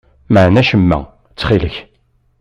Mɛen acemma, ttxil.